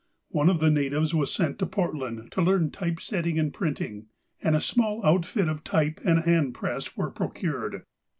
One of the na tives was sent to Portland to learn typesetting and printing, and a small outfit of type and a hand press were procured.